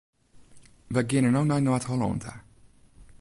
Wy gean no nei Noard-Hollân ta.